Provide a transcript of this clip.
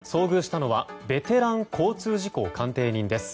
遭遇したのはベテラン交通事故鑑定人です。